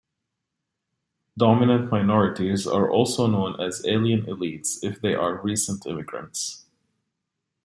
Dominant minorities are also known as alien elites if they are recent immigrants.